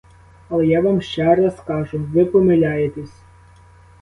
Але я вам ще раз кажу: ви помиляєтесь!